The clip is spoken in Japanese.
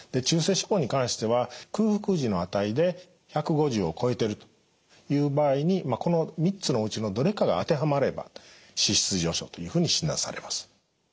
中性脂肪に関しては空腹時の値で１５０を超えてるという場合にこの３つのうちのどれかが当てはまれば脂質異常症というふうに診断されます。